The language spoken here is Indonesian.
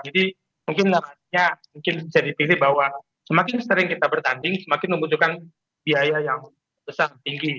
jadi mungkin narasinya bisa dipilih bahwa semakin sering kita bertanding semakin membutuhkan biaya yang besar tinggi